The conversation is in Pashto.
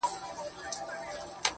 خدايه زارۍ کومه سوال کومه.